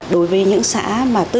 đối với những xã mà